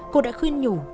cô đã khuyên nhủ